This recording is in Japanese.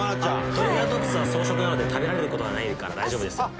トリケラトプスは草食なので食べられる事はないから大丈夫です。